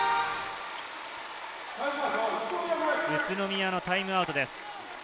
宇都宮のタイムアウトです。